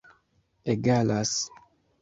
egalas